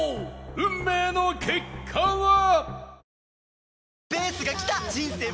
運命の結果は！？